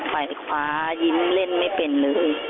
ฝ่ายขวายิ้นเล่นไม่เป็นเลย